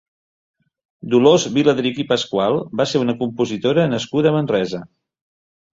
Dolors Viladrich i Pascual va ser una compositora nascuda a Manresa.